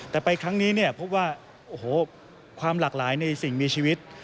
แต่ไปครั้งนี้เนี่ยพบว่าโอ้โหความหลากหลายในสิ่งมีชีวิต